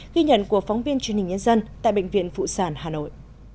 ghi nhận của phóng viên truyền hình nhân dân tại bệnh viện phụ sản hà nội